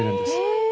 へえ。